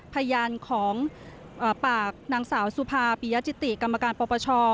พยานของปากนางสาวสุภาปียจิติกรรมการปปช